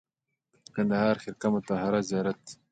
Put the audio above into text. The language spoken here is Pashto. د کندهار خرقه مطهره زیارت دی